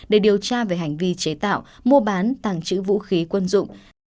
để điều tra về hành vi chế tạo mua bán tàng trữ vũ khí quân dụng